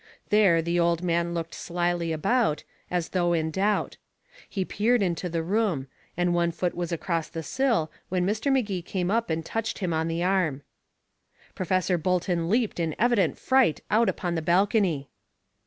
There the old man looked slyly about, as though in doubt. He peered into the room, and one foot was across the sill when Mr. Magee came up and touched him on the arm. Professor Bolton leaped in evident fright out upon the balcony.